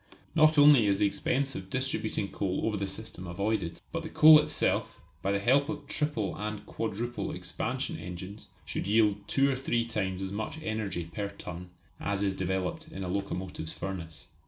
Not only is the expense of distributing coal over the system avoided, but the coal itself, by the help of triple and quadruple expansion engines should yield two or three times as much energy per ton as is developed in a locomotive furnace.